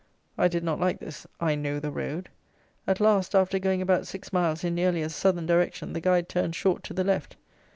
I did not like this, "I know the road." At last, after going about six miles in nearly a Southern direction, the guide turned short to the left.